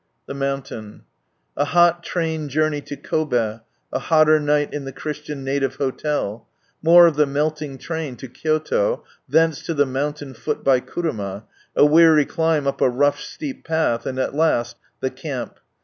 Tht Mountain. — A hot train journey to Kob^, a hotter night in the Christian native hotel. More of the melting train, to Kyoto ; thence to the mountain foot by kuruma ; a weary climb up a rough steep path, and at last The Camp.